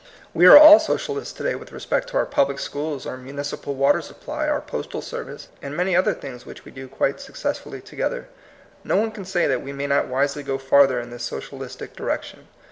We are all socialists to day with respect to our public schools, our municipal water supply, our postal service, and many other things which we do quite successfully to gether. No one can say that we may not wisely go farther in this socialistic direc tion.